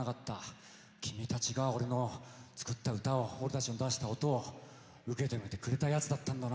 君たちが俺の作った歌を俺たちの出した音を受け止めてくれたやつだったんだな。